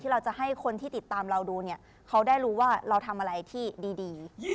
เราจะให้คนที่ติดตามเราดูเนี่ยเขาได้รู้ว่าเราทำอะไรที่ดี